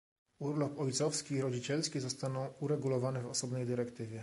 Urlop ojcowski i rodzicielski zostaną uregulowane w osobnej dyrektywie